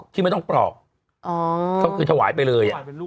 ที่ไม่ต้องปลอกเขาคือถวายไปเลย